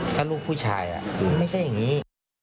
ถ้าลูกผู้ชายนี่ไม่ได้อย่างนี้